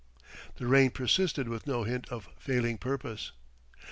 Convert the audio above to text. The rain persisted with no hint of failing purpose....